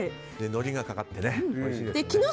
のりがかかっておいしいですよね。